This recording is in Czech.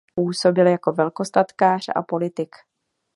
Působil jako velkostatkář a politik.